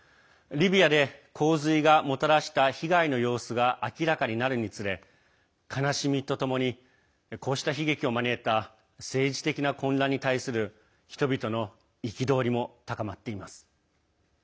リビアで洪水がもたらした被害の様子が明らかになるにつれ悲しみとともにこうした悲劇を招いた政治的な混乱に対する人々の憤りも高まっています。